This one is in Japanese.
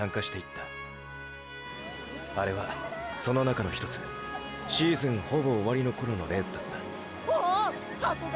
あれはその中のひとつシーズンほぼ終わりの頃のレースだったおおハコガク来たァ！！